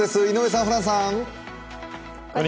井上さん、ホランさん。